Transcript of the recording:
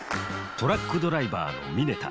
トラックドライバーの峯田。